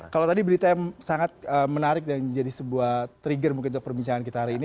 kalau tadi berita yang sangat menarik dan jadi sebuah trigger mungkin untuk perbincangan kita hari ini